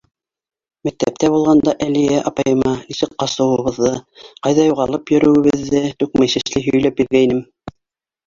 Мәктәптә булғанда Әлиә апайыма нисек ҡасыуыбыҙҙы, ҡайҙа юғалып йөрөүебеҙҙе түкмәй-сәсмәй һөйләп биргәйнем.